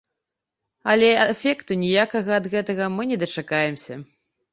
Але эфекту ніякага ад гэтага мы не дачакаемся.